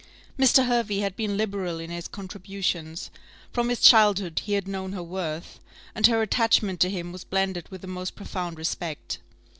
Mr. Hervey had been liberal in his contributions; from his childhood he had known her worth, and her attachment to him was blended with the most profound respect.